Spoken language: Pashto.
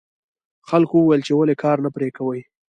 خلکو وویل چې ولې کار نه پرې کوې.